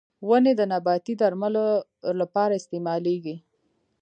• ونه د نباتي درملو لپاره استعمالېږي.